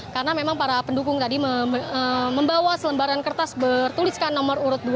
karena memang para pendukung tadi membawa selembaran kertas bertuliskan nomor urut dua